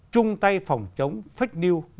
trung tay phòng chống fake news